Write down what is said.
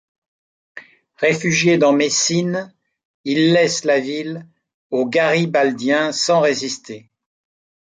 Réfugié dans Messine, il laisse la ville aux garibaldiens sans résister.